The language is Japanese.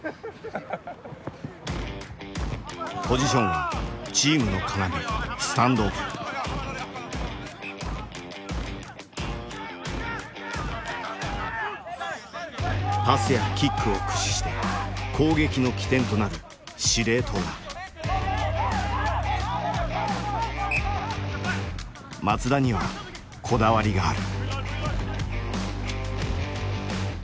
ポジションはチームの要パスやキックを駆使して攻撃の起点となる松田にはこだわりがある。